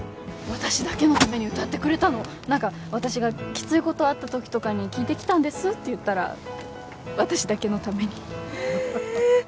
私だけのために歌ってくれたの何か私が「キツイことあった時とかに聴いてきたんです」って言ったら私だけのためにへえ